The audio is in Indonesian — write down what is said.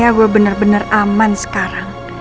akhirnya gue bener bener aman sekarang